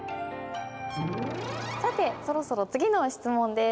さてそろそろ次の質問です。